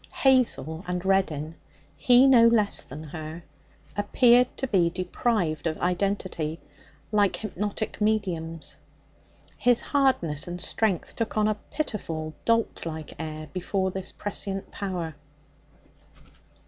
Hazel and Reddin he no less than she appeared to be deprived of identity, like hypnotic mediums. His hardness and strength took on a pitiful dolt like air before this prescient power.